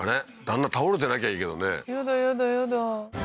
旦那倒れてなきゃいいけどねやだやだやだ